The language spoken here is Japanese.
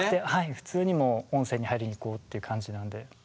普通にもう温泉に入りに行こうという感じなので。